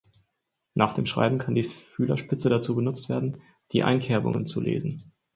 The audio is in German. Nach dem Schreiben kann die Fühlerspitze dazu benutzt werden, die Einkerbungen zu lesen